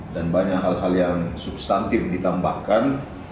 dan banyak hal hal yang substantif ditambahkan